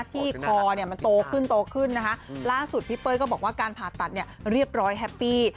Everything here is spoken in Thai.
ที่คอเนี่ยมันโตขึ้นโตขึ้นนะคะล่าสุดพี่เป้ยก็บอกว่าการผ่าตัดเนี่ยเรียบร้อยแฮปปี้